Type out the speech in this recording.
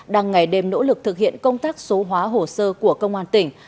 đang ngày đêm nỗ lực thực hiện công tác số hóa hồ sơ của công an tỉnh